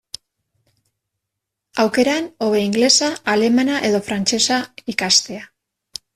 Aukeran, hobe ingelesa, alemana edo frantsesa ikastea.